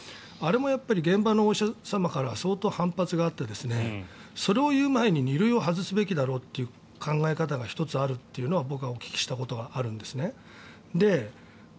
あれもやっぱり現場のお医者様からは相当反発があってそれを言う前に２類を外すべきだろという考えがあるというのを僕はお聞きしたことがあるんです。